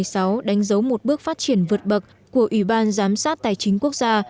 năm hai nghìn một mươi sáu đánh dấu một bước phát triển vượt bậc của ủy ban giám sát tài chính quốc gia